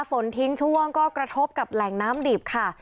ฝนทิ้งช่วงก็กระทบกับแหล่งน้ำดิบค่ะ